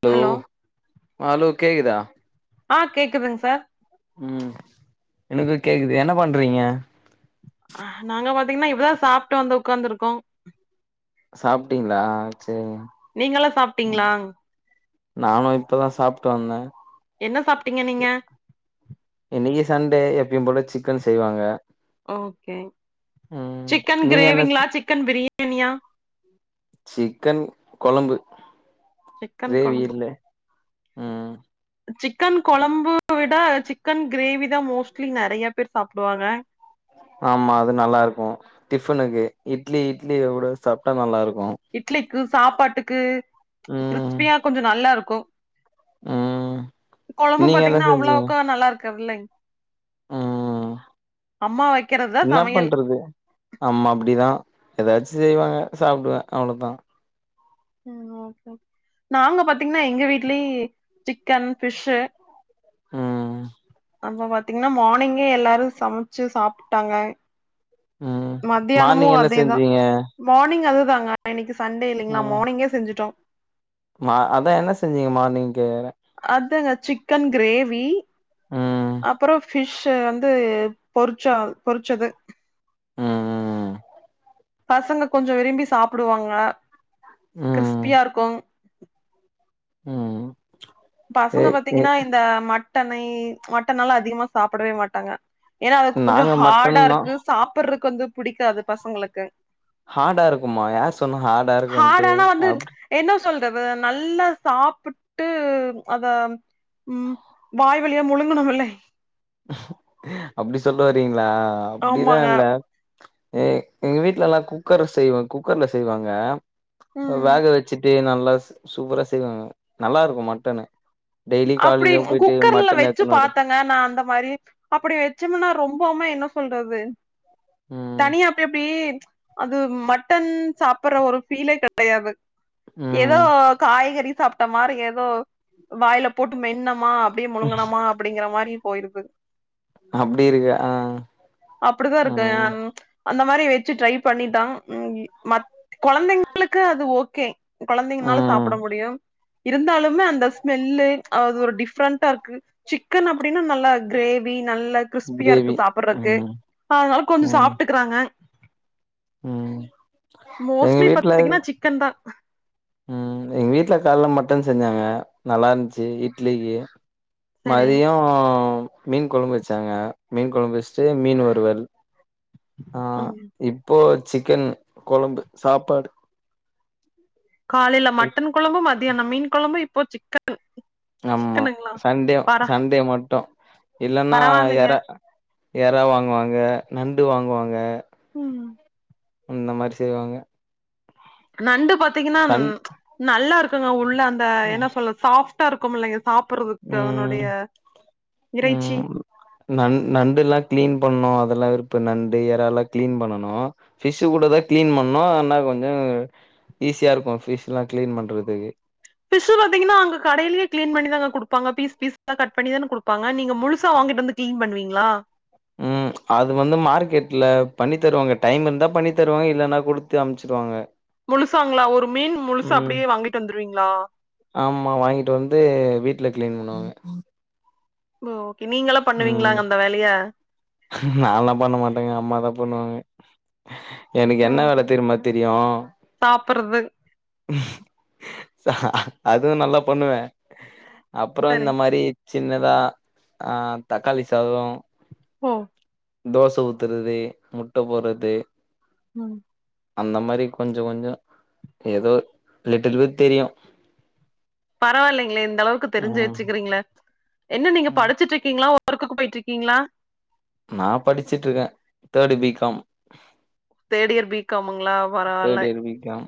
Hello hello கேக்குதா ஆ கேக்குதுங் சார் ம் எனக்கு கேக்குது என்ன பண்றீங்க அ நாங்க பாத்திங்னா இப்பதா சாப்ட்டு வந்து உக்காந்துருகோ சாப்ட்டீங்ளா சேரிங்க நீங்கலா சாப்ட்டீங்ளா நானு இப்பதா சாப்ட்டு வந்த என்ன சாப்ட்டீங்க நீங்க இன்னிக்கு சண்டே எப்பயு போல சிக்கன் செய்வாங்க ஓகே ம் சிக்கன் நீங்க என்ன கிரேவிங்ளா சிக்கன் பிரியாணியா சிக்கன் கொழம்பு சிக்கன் கிரேவி கொழம்பு இல்ல ம் சிக்கன் கொழம்பு விட சிக்கன் கிரேவி தா மோஸ்ட்லி நெறைய பேர் சாப்டுவாங்க ஆமா அது நல்லா இருக்கு டிஃபனுக்கு இட்லி இட்லி உட சாப்டா நல்லா இருக்கு இட்லிக்கு சாப்பாட்டுக்கு ம் கிறிஸ்பியா கொஞ்சோ நல்லா இருக்கு ம் கொழம்பு நீங்க என்ன பாத்தீங்ன்னா செஞ்சீங்க அவுளோக்கா நல்லா இருக்க இல்லங் ம் அம்மா வக்கிறதா சமையல் அம்மா அப்டிதா எதாச்சு செய்வாங்க சாப்டுவ அவ்ளோதா ம் ஓகே ஓ நாங்க பாத்தீங்ன்னா எங்க வீட்லே சிக்கன் ஃபிஷு ம் அம்ம பாத்தீங்ன்னா மானிங்கே எல்லாரு சமச்சு சாப்ட்டாங்க ம் மத்தியானமு மார்னிங் என்ன அதேதா செஞ்சீங்க மானிங் அதுதாங்க இன்னைக்கு சண்டே இல்லைங்ளா ம் மானிங்கே செஞ்சுட்டோ மா அதா என்ன செஞ்சீங்க மார்னிங்க்கு அதாங்க சிக்கன் கிரேவி ம் அப்புறோ ஃபிஷு வந்து பொறிச்சா பொறிச்சது ம் ம் பசங்க கொஞ்சோ விரும்பி சாப்டுவாங்க ம் கிறிஸ்பியா இருக்கு ம் ஏ பசங்க ஏ பாத்தீங்கினா இந்த மட்டனை மட்டனெல்லா அதிகமா சாப்படவே மாட்டாங்க ஏனா அது கொஞ்சோ நாங்க மட்டன் ஹாடா தா இருக்கு சாப்புருக் கொஞ்சோ புடிக்காது பசங்குளுக்கு ஹாடா இருக்குமா யார் சொன்னா ஹாடா இருக்குன்ட்டு ஹார்டானா வந்து அப் என்ன சொல்றது நல்லா சாப்புட்டு அத ம் வாய் வழியா முழுங்குணுமில்லே அப்டி சொல்ல வரீங்ளா அப்டிலா ஆமாங்க இல்ல ஏ எங்க வீட்லலா குக்கர செய்வோ குக்கர்ல செய்வாங்க ம் வேக வச்சுட்டு நல்லா சூப்பரா செய்வாங்க நல்லா இருக்கு மட்டனு டெய்லி காலைல போய்ட்டு மட்டன் எட்த்துன் வரு வேனா அந்த மாரி அப்புடி வைச்சமுனா ரொம்போம என்ன சொல்றது ம் தனியா அப்டி அப்டி அது மட்டன் சாப்புற ஒரு ஃபீலே கெடையாது எதோ ம் காய்கறி சாப்ட்ட மாரி எதோ வாய்ல போட்டு மென்னமா அப்டியே முழுங்கனமா அப்டிங்கிற மாரி போயிருது அப்டி இருக்கு ஆ அப்டிதா இருக்கு ம் என் அந்த மாரி வச்சு ட்ரை பண்ணிதா மாகி மத் கொழந்தைங்குளுக்கு அது ஓகே கொழந்தைங்னால ம் சாப்ட முடியு இருந்தாலுமே அந்த ஸ்மெல்லு அது ஒரு டிஃப்ரெண்ட்டா இருக்கு சிக்கன் அப்டினா நல்லா கிரேவி நல்லா கிறிஸ்பியா கிரேவி இருக்கு சாப்புறக்கு ம் அதுனால கொஞ்சு ம் சாப்ட்டுக்கிறாங்க ம் எங்க மோஸ்ட்லி வீட்ல பாத்தீங்குனா சிக்கன் தா ம் எங்க வீட்ல கால்ல மட்டன் செஞ்சாங்க நல்லா இருந்ச்சு இட்லிக்கு சரி மதியோ மீன் கொழம்பு வச்சாங்க மீன் கொழம் வஸ்ட்டு மீன் வறுவல் ஆ இப்போ சிக்கன் கொழம்பு சாப்பாடு காலைல மட்டன் குழம்பு மதியானோ மீன் குழம்பு இப்போ சிக்கன் ஆம்மா சிக்கனுங்களா சண்டே பர சண்டே மட்டு இல்லனா பரவால்லைங்க எறா எறா வாங்குவாங்க நண்டு வாங்குவாங்க ம் இந்த மாரி செய்வாங்க நண்டு பாத்தீங்கன்னா சண் நல்லா இருக்குங்க உள்ள அந்த என்ன சொல்ல சாஃப்ட்டா இருக்குமுல்ல எ சாப்புறதுக்கு ம் அதனுடைய ம் இறைச்சி நண் நண்டுல்லா கிளீன் பண்ணோ அதெல்லா வெறுப்பு நண்டு ஏறால்லா கிளீன் பண்ணனு ஃபிஷ்ஷு கூட தா கிளீன் பண்ணோ ஆனா கொஞ்சோ ஈஸியாயிர்க்கொ ஃபிஷ்ல்லா கிளீன் பண்றதுக்கு ஃபிஷ்ஷு பாத்தீங்கன்னா அங்க கடைலேயே கிளீன் பண்ணி தாங்க குடுப்பாங்க பீஸ் பீஸா கட் பண்ணி தானே குடுப்பாங்க நீங்க முழுசா வாங்கிட்டு வந்து கிளீன் பண்ணுவீங்களா ம் அது வந்து மார்க்கெட்ல பண்ணி தருவாங்க டைம் இருந்தா பண்ணி தருவாங்க இல்லேன்னா குடுத்து அமுச்சிருவாங்க முழுசாங்ளா ஒரு மீன் முழுசா அப்டியே வாங்கிட்டு வந்துருவீங்களா ஆமா வாங்கிட்டு வந்து வீட்ல க்ளீன் பண்ணுவாங்க ஓகே நீங்களா ம் பண்ணுவீங்களாங்க அந்த வேலைய நான்லா பண்ண மாட்டேங்க அம்மாதா பண்ணுவாங்க எனக்கு என்ன வேல தெரிம்மா தெரியு சாப்புட்றது சா அதுவு நல்லா பண்ணுவே அப்றோ இந்த சரிங் மாரி சின்னதா ஆ தக்காளி சாதோ ஓ தோச ஊத்துறது முட்ட போட்றது ம் அந்த மாரி கொஞ்சோ கொஞ்சோ ஏதோ லிட்டில்வு தெரியு பரவாயில்லைங்ளே இந்த அளவுக்கு தெரிஞ்சு ம் வெச்சுக்கிறீங்ளே என்ன நீங்க ம் படிச்சிட்டு இருக்கீங்களா ஒர்க்குக்கு போய்ட்டிர்க்கீங்களா நா படிச்சிட்டு இருக்க தேடு பி காம் தேடியர் பிக்காம்ங்களா வரவால்லை தேர்ட் இயர் பி காம்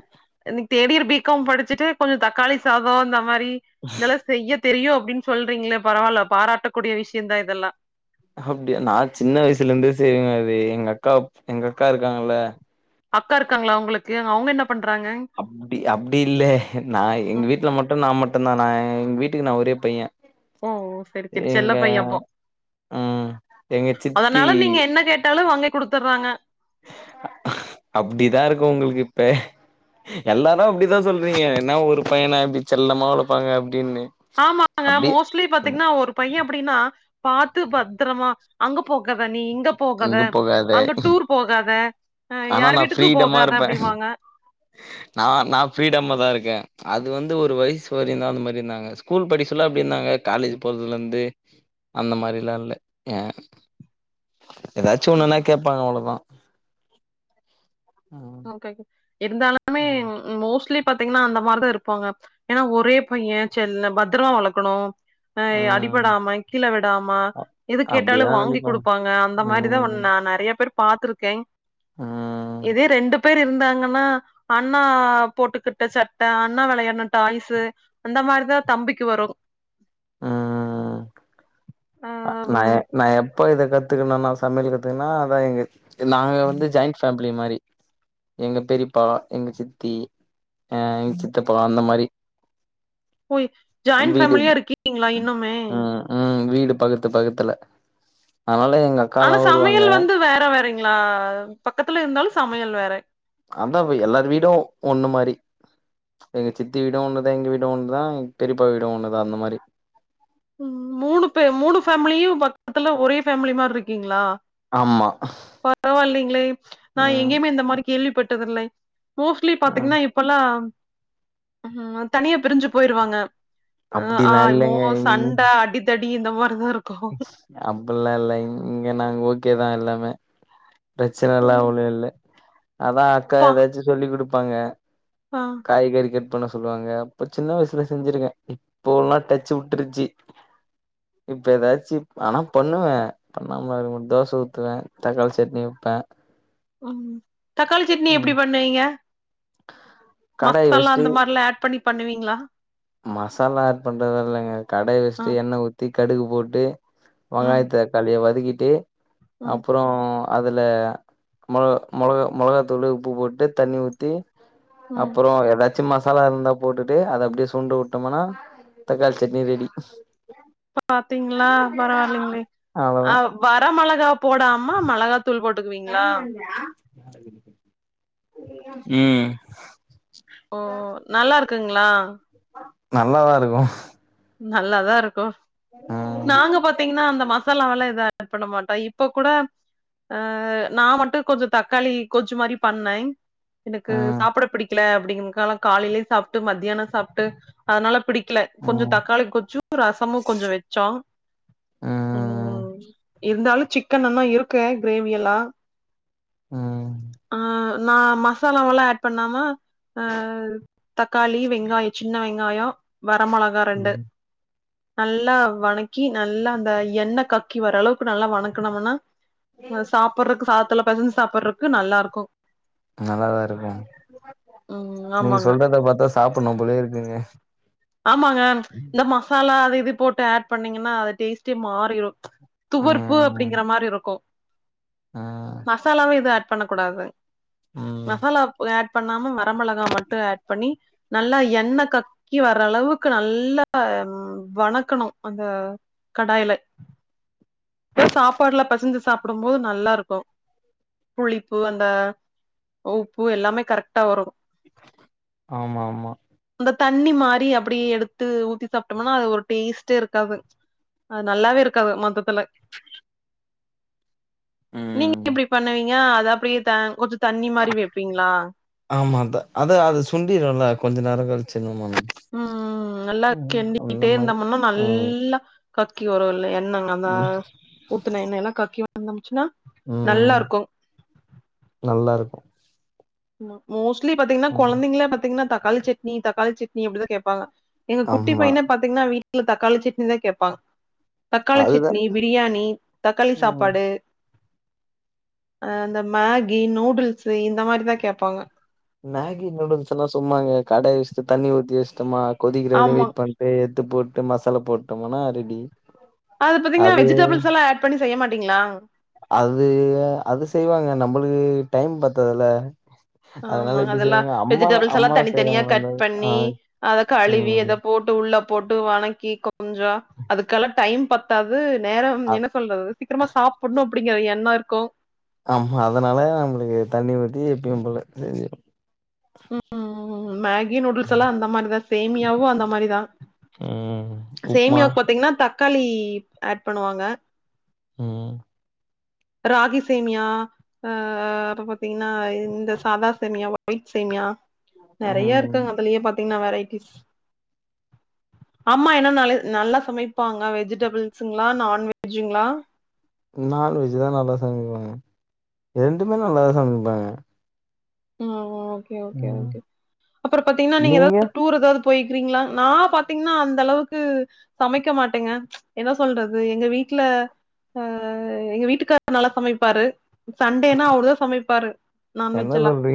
இன்னிக் தேடியர் பிகாம் படிச்சிட்டு கொஞ் தக்காளி சாதோ இந்த மாரி இதெல்ல செய்ய தெரியு அப்டின் சொல்றீங்ளே பரவாயில்ல பாராட்டக்கூடிய விஷ்யந்தா இதெல்லா அப்டியா நா சின்ன வயசுலந்தே செய்வங்வே எங்க அக்கா எங்க அக்கா இருக்காங்கல்ல அக்கா இருக்காங்ளா உங்ளுக்கு அவுங்க என்ன பண்றாங்க அப்டி அப்டி இல்லே நா எங்க ம் வீட்ல மட்டு நா மட்டு தா நா எங் வீட்டுக்கு நா ஒரே பைய்ய ஓ சேரி சேரி செல்லப் பைய்ய அப்போ ம் எங்க சித்தி அதனால நீங்க என்ன கேட்டாலு வாங்கி குடுத்துர்றாங்க அப்டிதாயிர்க்கு உங்ளுக்கிப்ப எல்லாதா அப்டிதா சொல்றீங்க என்னா ஒரு பைய்யன இப்டி செல்லமா வளப்பாங்க அப்டின்னு ஆமாங்க மோஸ் ஸ்லீ அப்டி பாத்தீங்ன்னா ஒரு பைய்ய அப்டின்னா பாத்து பத்ரமா அங்க போகாத நீ இங்கப் போகாத எங்க போகாத அங்க டூர் போகாத அ ஆனா யார் நான் வீட்டுக்கு போகாத அப்டிவாங்க நா நா ஃப்ரிடம்ம தா இருக்கே அது வந்து ஒரு வைசு வரயு தா அந்த மாரி இருந்தாங்க ஸ்கூல் படிக் சொல்ல அப்டி இருந்தாங்க காலேஜ் போறதுலந்து அந்த மாரில்லா இல்ல எதாச்சி ம் ஒன்னுன்னா கேப்பாங்க அவ்ளோதா அ இருந்தாலுமே மோஸ்லி பாத்தீங்ன்னா அந்த மாரிதா இருப்பாங்க ஏன்னா ஒரே பைய்ய செல்ல பத்ரோமா வளக்கணு அ ம் அடிப்படாம கீல விடாமா எது கேட்டாலு அப்டிதான் வாங்கி நெனைப்பாங்க குடுப்பாங்க அந்த மாரிதா ம் உன் ம் நா நெறைய பேர் பாத்திருக்கே ம் இது ரெண்டு பேரு இருந்தாங்கனா அண்ணா போட்டுக்கிட்ட சட்ட அண்ணா வெளையாட்ன டாய்சு அந்த மாரிதா தம்பிக்கு வரு ம் அ நா ஏ நா எப் ப்ப இத கத்துக்குன நா சமையல் கத்துக்கனா அதா எங்க நாங்க வந்து ஜாயிண்ட் ஃபேம்ப்லி மாரி எங்க பெரியப்பா எங்க சித்தி அ எங்க சித் தப்பா அந்த மாரி போய் நம் ஜாயிண்ட் வீடும் ஃபேமிலியா இருக்கீங்களா க இன்னுமே? ம் ம் வீடு பக்கற்த்து பக்கற்த்துல அதனால எங்க அக்காலா ஆனா வருவாங்க சமையல் வந்து வேற வேறைங்ளா பக்கத்துல இருந்தாலு சமையல் வேற அதாவே எல்லாரு வீடு ஒன்னு மாரி எங்க சித்தி வீடு ஒன்னுதா எங்கவீடு ஒன்னுதா எங் பெரியப்பா வீடு ஒன்னுதா அந்த மாரி ம் மூணு பே மூணு ஃபேம்லியு பக்கத்துல ஒரே ஃபேம்லி மார்ருக்கீங்ளா ஆமா பரவால்லைங்ளே நா ம் எங்கேயுமே இந்த மாரி கேள்விப்பட்டதில்லை மோஸ்ட்லி ம் பாத்தீங்னா இப் இப்பலா ம் தனியா பிரிஞ்சு போய்ருவாங்க அ அப்டிலா இல்லங்க ஆல்மோஸ்ட் தண்டா அடித்தடி இந்த மார்தாருக் அப்புட்லா இல்லைங் இங்கெ நாங்க ஓகேதா எல்லாமே பிரச்சனலா ம் ஒன்னுயில்ல அதா அக்கா பா எதாச்சு சொல்லி குடுப்பாங்க ஆ காய்கறி கட் பண்ண சொல்லுவாங்க அப்ப சின்ன வயசுல செஞ்சிருக்கே இப்போலா டச்சு வுட்ருச்சு இப்ப எதாச்சு ஆனா பண்ணுவே பண்ணாமலா இருக்கமாட் தோச ஊத்துவே தக்காளி சட்னி வெப்பே அம் தக்காளி சட்னி ம் எப்டி பண்ணுவீங்க கடாய் மசாலா வச்ட்டு அந்த மார்லா ஆட் பண்ணி பண்ணுவீங்ளா மசாலா ஆட் பண்றது இல்லைங்க கடாய் ஆ வச்ட்டு எண்ணெ ஊத்தி கடுகு போட்டு வெங்காய ம் தக் காளிய வதக்கிட்டு ம் அப்றோ அதுல மொளகா மொளகா மொளகாத்தூளு உப்பு போட்டு தண்ணி ஊத்தி ஸ் ம் அப்பறோ எதாச்சு மசாலா இருந்தா போட்டுட்டு அத அப்டியே துண்ட வுட்டமனா தக்காளி சட்னி ரெடி பாத்தீங்ளா பரவால்லைங்ளே அ அவ்ளோதா வர மொளகா போடாம மெளகாத் தூள் போட்டுக்குவீங்ளா ம் ஓ நல்லா இருக்குங்ளா நல்லாதா இருக்கு நல்லாதா இருக்கு ம் நாங்க பாத் தீங்னா அந்த மசாலாவெல்லா எது ஆட் பண்ண மாட்டோ இப்பக்கூட அ நா மட்டு கொஞ்ச தக்காளி கொஜ் மாரி பண்ணே எனக்கு ம் சாப்புட பிடிக்கல அப்டிங்கன்க்காலா காலைலேயு சாப்ட்டு மத்யான சாப்ட்டு அதனால பிடிக்கல கொஞ்ச ம் தக்காளி கொச்சு ரசமு கொஞ்ச வெச்சோ ம் இருந்தாலு சிக்கன் நன்னா இருக்கு கிரேவியெல்லா ம் ஆ நா மசாலாவெல்லா ஆட் பண்ணாம அ தக்காளி வெங்காய சின்ன வெங்காயோ வர மொளகா ரெண்டு ம் நல்லா வணக்கி நல்லா அந்த எண்ணெ கக்கி வரளவுக்கு நல்லா வணக்குனமுனா அ சாப்புறக்கு சாதத்துல பெசஞ்சு சாப்புறக்கு நல்லா இருக்கு நல்லாதா இருக்கு ம் நீங்க ஆமாங்க சொல்றத பாத்தா சாப்புட்ணு போலயே இருக்குங்க அ மசாலா அதையு இதையு போட்டு ஆட் பண்ணீங்கனா அது டேஸ்டே மாறிரு துவர்ப்பு ம் அப்படிங்குற மாரி இருக்கு ம் மசாலாவு எது ஆட் பண்ணக்கூடாது ம் மசாலாப் ஆட் பண்ணாம வர மெளகா மட்டு ஆட் பண்ணி நல்லா எண்ணெ கக் கி வர்ர அளவுக்கு நல் நல்லா ம் வணக்கணு அந்த கடாய்லே எ சாப்பாடுல பசெஞ்சு சாப்டும்போது நல்லா இருக்கோ புளிப்பு அந்த உப்பு எல்லாமே கரெக்டா வரு ஆமா ஆமா அந்த தண்ணி மாரி அப்படி எடுத்து ஊத்தி சாப்பிட்டோம்னா அது ஒரு டேஸ்டே இருக்காது அது நல்லாவே இருக்காது மொத்தத்துல நீங்க ம் எப்டி பண்ணவி யா அத அப்டியே த கொஞ்சோ தண்ணி மாரி வெப்பீங்களா ஆமாத்த அத அது சுண்டிருல கொஞ்ச நேர கழிச் சென்னோமான்னு ம்ம்ம் நல்லா கிண்டிட்டே மாரி இருந்தோம்முன்னா ம் நல்லா கக்கி வருல்ல எண்ண அமா ம் ஊத்துன எண்ண என்னாக்கா [unintelligible] தம்ச்சுன்னா நல்லாருக்கௌ நல்லாருக்கு அமா மோஸ்ட்லி பாத்தீங்கன்னா ம் கொழந்தைங்களே பாத்தீங்னா தக்காளி சட்னி தக்காளி சட்னி அப்டிதா கேப்பாங்க ஏங்க குட்டி ஆமா பையனே பாத்தீங்ன்னா வீட்டுல தக்காளி சட்னிதா கேப்பா தக்காளி அதுதா சட்னி பிரியாணி தக்காளி ம் சாப்பாடு அ அந்த மேகி நூடுல்ஸ்ஸு இந்த மாரிதா கேப்பாங்க நேகி நூடுல்ஸ் எல்லா சும்மாங்க கடாய் வச்ட்டு தண்ணி ஊத்தி வச்டம்மா கொதிக்கிற வரையு ஆமா. வெயிட் பண் ஏ ஏத்து போட்டு மசாலா போட்டோமுன்னா ரெடி அது பாத்தீங்கன்னா வெஜிடபிள்ஸ் எல்லா ஆட் பண்ணி செய்யமாட்டீங்களா அது அது செய்வாங்க நம்மளுக்கு டைம் பத்தாதுல ஆமா அதெல்லா வெஜிடபிள்ஸ் எல்லா அம்மாலா தனித்தனியா செய்றாங்க அந்த கட் ஆ பண்ணி அத கழுவி ம் அத போட்டு உள்ளப் போட்டு வணக்கி கொஞ்சோ அதுக்கலா டைம் பத்தாது நேரம் அ என்ன சொல்றது சீக்ரமா சாப்புட்ணு அப்டிங்குற என்ன இருக்கு ஆமா அதனால நம்மளுக்கு தண்ணி ஊத்தி எப்பயும் போல செஞ்சு ம் மேகி நூடுல்ஸ் எல்லா அந்த மாரிதா சேமியாவு அந்த மாரிதா ம். உப்மா. சேமியாக் பாத்தீங்கன்னா தக்காளி ஆட் பண்ணுவாங்க உம் ராகி சேமியா ஆ அப்போ பாத்தீங்ன்னா இந்த சாதா சேமியாவ்வு உயில் சேமியா நெறைய ம். இருக்குங்க அபல்லயே பாத்தீங்ன்னா வெரைட்டிஸ் அம்மா என்னா நாலு நல்லா சமைப்பாங்க வெஜிடபிள்ஸுங்ளா நான்வெஜுங்ளா நான்வெஜ் தா நல்லா சமைப்பா ரெண்டுமே நல்லா சமைப்பே ஆ லோ ஓகே ஓகே ம். ஓகே அப்புற பாத்தீங்கன்னா நீங்க எதாவ் டூர் ஏதாவத் போய்க்றீங்களா நா பாத்தீங்ன்னா அந்த அளவுக்கு சமைக்க மாட்டேங்க என்னோ சொல்றது எங்க வீட்ல ஆ எங்க வீட்டுக்கார் நல்லா சமைப்பாரு சண்டேனா அவர்தா சமைப்பாரு என்ன நான்வெஜ் எல்லாம். சொல்றீ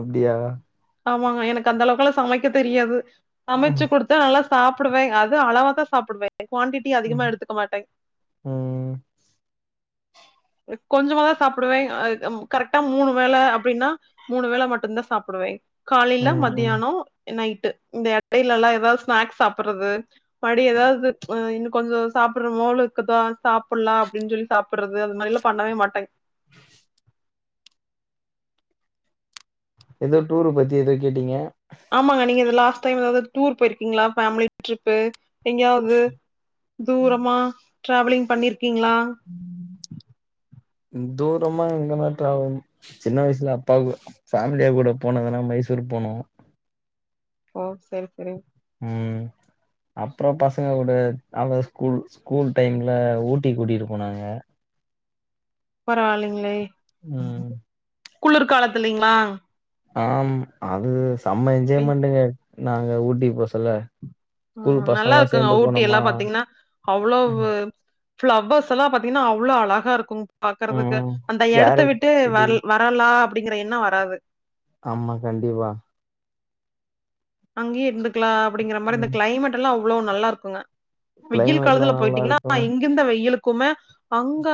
அப்டியா ஆமாங்க எனக்கு அந்தளவுக்லா சமைக்க தெரியாது ம். சமச்சு குடு தா நல்லா சாப்புடுவே அது அளவா தா சாப்புடுவே க்வான்டிட் இ அதிகமா ம். எடுத்துக்க மாட்டே ம். கொஞ்சமாதா சாப்புடுவே அய் அம்மு கரக்டா மூணு வேல அப்டின்னா மூணு வேள மட்டுன்தா சாப்புடுவே காலையில ம். மத்தியானம் நைட்டு இந்த இடையில எல்லா ஏதாவது ஸ்நாக்ஸ் சாப்புறது படி ஏதாவது அ இன்னு கொஞ்சோ சாப்பிடுற மோல இருக்குதா சாப்புலா அப்படின் ஜொல்லி சாப்புறது அது மாரில்லா பண்ணவே மாட்டே ஏதோ டூரு பத்தி ஏதோ கேட்டீங்க ஆமாங்க நீங்கது லாஸ்ட்டைம் எதாவத் டூர் போயிருக்கீங்களா ஃபேமிலி ட்ரிப்பு எங்கயாவது தூரமா ட்ராவலிங் பண்ணிர்க்கீங்ளா தூரமா எங்கன்னா டிராவல் சின்ன வயசுல அப்பாவு ஃபேமிலியா கூட போனதுனா மைசூர் போனோ ஓ செரி செரி உம் அப்புறம் பசங்க கூட அதா ஸ்கூல் ஸ்கூல் டைம்ல ஊட்டி கூட்டிகிட்டு போனாங்க பரவாயில்லைங்களே உம் குளிர் காலத்துல்லைங்களா ஆம் அது செம்ம என்ஜாய்மென்ட்டு நாங்க ஊட்டி போச்சுல்ல ஆஹ் நல்லா இருக்குங்க ஊட்டி எல்லாம் பாத்தீங்கன்னா அவ்வளவு பிளவர்ஸ் எல்லா பாத்தீங்கன்னா அவ்வளோ அழகா இருக்கும் பாக்குறதுக்கு ம் அந்த எடத்த கேரட் விட்டு செடி வர் வர ல்லா அப்படிங்கற எண்ணம் வராது ஆமா கண்டிப்பா அங்கே இருந்துக்கலா அப்டிங்கிற மாரி இந்த ம் கிளைமேட் எல்லா அவ்ளோ நல்லா இருக்குங்க வெயில் கிளைமேட்லா காலத்துல நல்லா போயிட்டீங்கன்னா இருக்கு இங்கந்த வெயிலுக்குமே அங்க